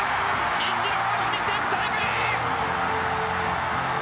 イチローの２点タイムリー！